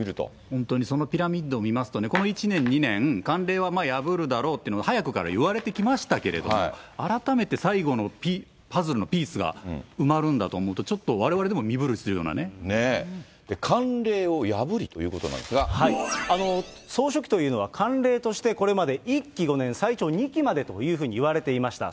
本当にそのピラミッドを見ますと、この１年、２年、慣例は破るだろうっていうのが早くからいわれてきましたけれども、改めて最後のパズルのピースが埋まるんだと思うと、ちょっとわれわれでねえ、慣例を破りということ総書記というのは、慣例としてこれまで１期５年最長２期までというふうにいわれていました。